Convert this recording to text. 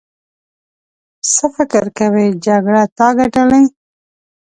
څه فکر کوې جګړه تا ګټلې.